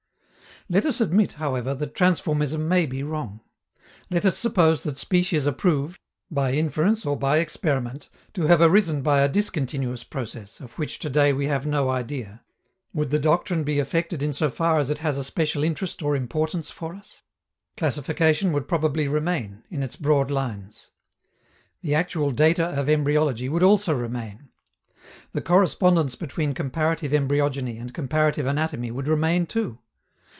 Let us admit, however, that transformism may be wrong. Let us suppose that species are proved, by inference or by experiment, to have arisen by a discontinuous process, of which to day we have no idea. Would the doctrine be affected in so far as it has a special interest or importance for us? Classification would probably remain, in its broad lines. The actual data of embryology would also remain. The correspondence between comparative embryogeny and comparative anatomy would remain too.